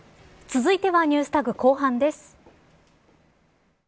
続いてはＮｅｗｓＴａｇ後半です。